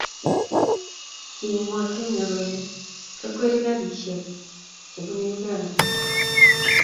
kimwa kenya kole chekwerie karishiek chebunu uganda